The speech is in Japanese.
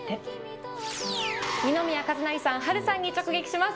二宮和也さん、波瑠さんに直撃します。